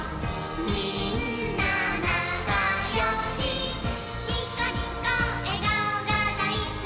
「みんななかよし」「ニコニコえがおがだいすき」